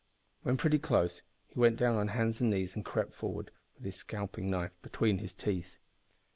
When pretty close he went down on hands and knees and crept forward, with his scalping knife between his teeth.